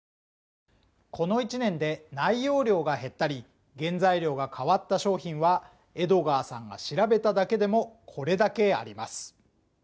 この１年で内容量が減ったり原材料が変わった商品はエドガーさんが調べただけでもこれだけあります